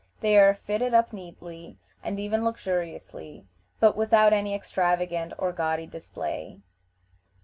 They are fitted up neatly, and even luxuriously, but without any extravagant or gaudy display.